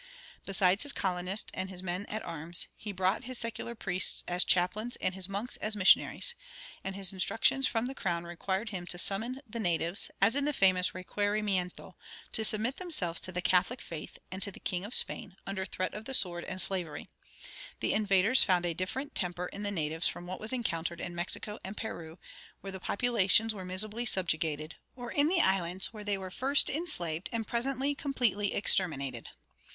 Besides his colonists and his men at arms, he brought his secular priests as chaplains and his monks as missionaries; and his instructions from the crown required him to summon the natives, as in the famous "Requerimiento," to submit themselves to the Catholic faith and to the king of Spain, under threat of the sword and slavery. The invaders found a different temper in the natives from what was encountered in Mexico and Peru, where the populations were miserably subjugated, or in the islands, where they were first enslaved and presently completely exterminated.